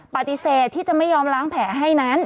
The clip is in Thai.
ปฏิเสธที่จะไม่ยอมล้างแผลให้นั้น